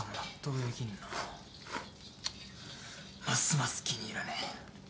チッますます気に入らねえ。